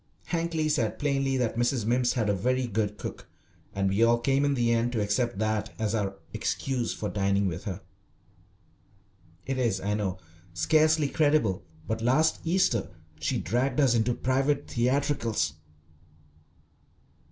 Hankly said plainly that Mrs. Mimms had a very good cook, and we all came in the end to accept that as our excuse for dining with her. It is, I know, scarcely credible, but last Easter she dragged us into private theatricals.